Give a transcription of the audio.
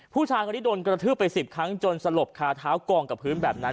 ผู้ชายคนนี้โดนกระทืบไป๑๐ครั้งจนสลบคาเท้ากองกับพื้นแบบนั้น